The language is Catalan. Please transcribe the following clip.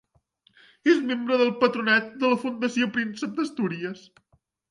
És membre del Patronat de la Fundació Príncep d'Astúries.